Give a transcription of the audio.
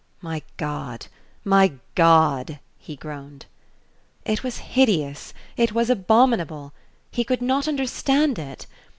"My God, my God " he groaned. It was hideous it was abominable he could not understand it.